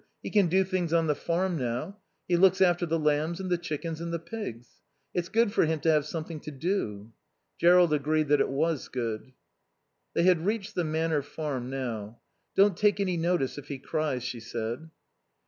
He can do things on the farm now. He looks after the lambs and the chickens and the pigs. It's good for him to have something to do." Jerrold agreed that it was good. They had reached the Manor Farm now. "Don't take any notice if he cries," she said.